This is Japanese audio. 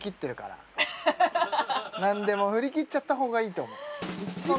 もうなんでも振り切っちゃった方がいいと思う